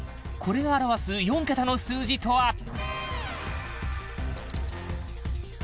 これが表す４桁の数字とは？